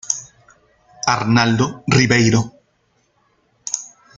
Arnaldo Ribeiro.